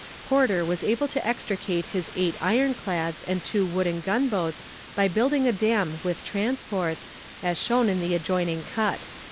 Porter was able to extricate his eight ironclads and two wooden gunboats by building a dam with transports, as shown in the adjoining cut.